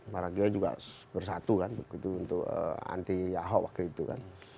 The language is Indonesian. para geo juga bersatu kan begitu untuk anti ahok waktu itu kan